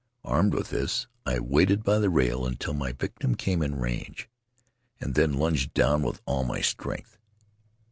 Armed with this, I waited by the rail until my victim came in range, and then lunged down with all my strength.